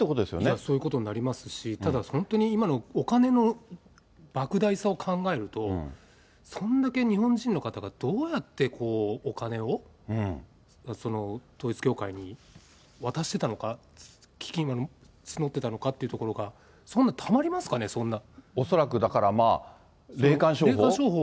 いや、そういうことになりますし、ただ、本当に今のお金のばく大さを考えると、そんだけ日本人の方が、どうやってお金を統一教会に渡してたのか、基金を募ってたというところが、そんなたまりますかね、恐らく、だから霊感商法？